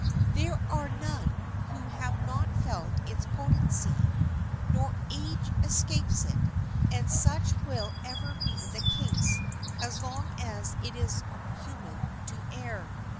There are none who have not felt its potency; no age escapes it, and such will ever be the case as long as it is human to err.